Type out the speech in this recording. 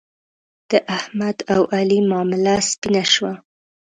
د احمد او علي معامله سپینه شوه.